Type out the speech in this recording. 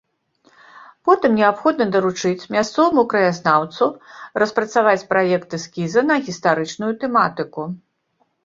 Потым неабходна даручыць мясцоваму краязнаўцу распрацаваць праект эскіза на гістарычную тэматыку.